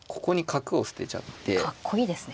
かっこいいですね。